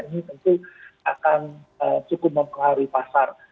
ini tentu akan cukup mempengaruhi pasar